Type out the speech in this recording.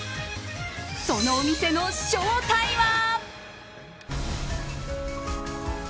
そのお店の正体は？